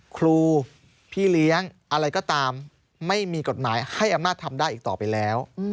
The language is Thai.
ครูพี่เลี้ยงอะไรก็ตามไม่มีกฎหมายให้อำนาจทำได้อีกต่อไปแล้ว